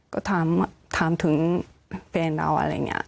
ก็ถามถึงแฟนเราอะไรเนี่ย